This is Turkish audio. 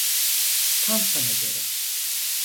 Tam sana göre.